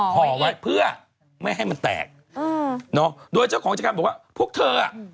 ห่อไว้เพื่อไม่ให้มันแตกอืมเนอะโดยเจ้าของจัดการบอกว่าพวกเธออ่ะ